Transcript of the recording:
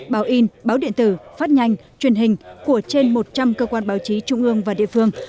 báo in báo điện tử phát nhanh truyền hình của trên một trăm linh cơ quan báo chí trung ương và địa phương